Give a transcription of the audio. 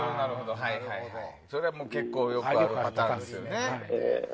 それは結構よくあるパターンですね。